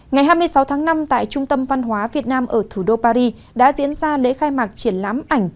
ngày hai mươi sáu tháng năm tại trung tâm văn hóa việt nam ở thủ đô paris đã diễn ra lễ khai mạc triển lãm ảnh